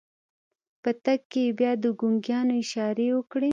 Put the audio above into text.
په تګ کې يې بيا د ګونګيانو اشارې وکړې.